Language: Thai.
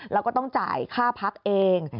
แล้วก็ต้องจ่ายค่าพักเอง